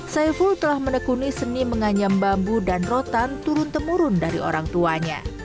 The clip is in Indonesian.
saiful telah menekuni seni menganyam bambu dan rotan turun temurun dari orang tuanya